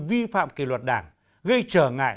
vi phạm kỳ luật đảng gây trở ngại